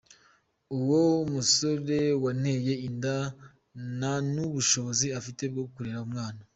Uwo musore wanteye inda ntanubushobozi afite bwo kurera umwana.